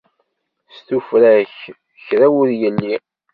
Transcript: S tuffra-k kra ur yelli.